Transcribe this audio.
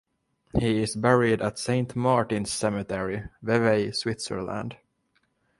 He is buried at Saint Martin's Cemetery, Vevey, Switzerland.